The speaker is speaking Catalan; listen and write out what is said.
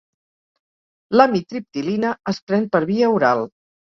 L'amitriptilina es pren per via oral.